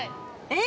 え！